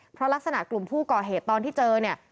เพราะลักษณะกลุ่มผู้ก่อเหตุตอนที่เจอเนี่ย